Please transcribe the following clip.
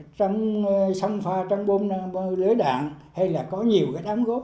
trong xâm pha trong bom lưới đạn hay là có nhiều cái đám gốc